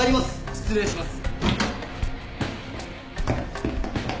・失礼します。